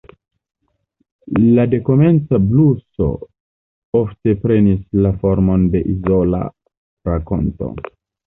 La dekomenca bluso ofte prenis la formon de izola rakonto.